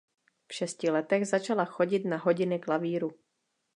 V šesti letech začala chodit na hodiny klavíru.